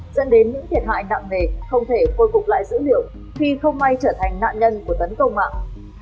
dẫn đến những thiệt hại nặng nề không thể khôi phục lại dữ liệu khi không may trở thành nạn nhân của tấn công mạng